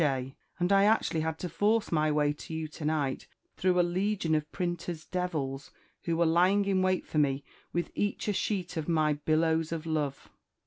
_ And I actually had to force my way to you to night through a legion of printer's devils, who were lying in wait for me with each a sheet of my 'Billows of Love.'"